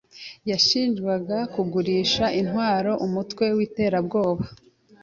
yashinjwaga kugurisha intwaro umutwe w'iterabwoba.